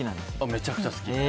めちゃめちゃ好き。